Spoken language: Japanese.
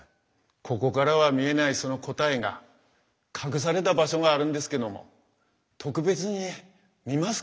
ここからは見えないその答えが隠された場所があるんですけども特別に見ますか？